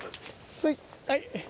はい。